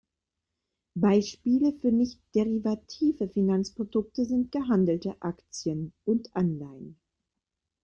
Beispiele für nicht-derivative Finanzprodukte sind gehandelte Aktien und Anleihen.